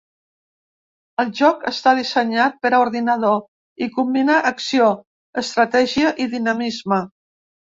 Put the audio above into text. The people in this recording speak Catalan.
El joc està dissenyat per a ordinador i combina acció, estratègia i dinamisme.